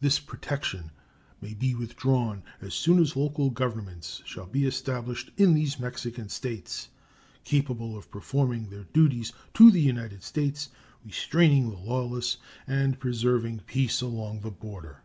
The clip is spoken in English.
This protection may be withdrawn as soon as local governments shall be established in these Mexican States capable of performing their duties to the United States, restraining the lawless, and preserving peace along the border.